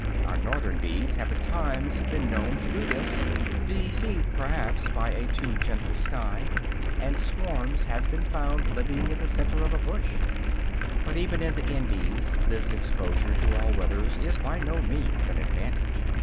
Our Northern bees have at times been known to do this, deceived perhaps by a too gentle sky; and swarms have been found living in the center of a bush. But even in the Indies this exposure to all weathers is by no means an advantage.